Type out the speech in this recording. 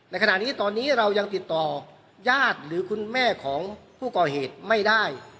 ในขณะนี้ตอนนี้เรายังติดต่อญาติหรือคุณแม่ของผู้ก่อเหตุไม่ได้